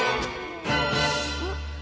あっ。